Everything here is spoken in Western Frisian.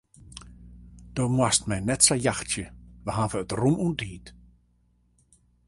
Do moatst my net sa jachtsje, we hawwe it rûm oan tiid.